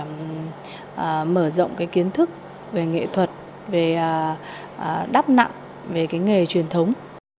mở rộng cái kiến thức về nghệ thuật về đắp nặng về cái nghề truyền thống